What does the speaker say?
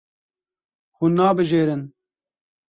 Hûn nabijêrin.